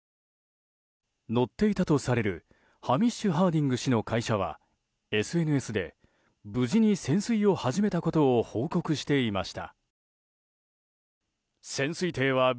乗っていたとされるハミッシュ・ハーディング氏の会社はＳＮＳで無事に潜水を始めたことを報告していました。